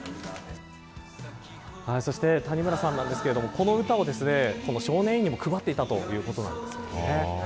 そして、谷村さんなんですがこの歌を少年院にも配っていたということなんです。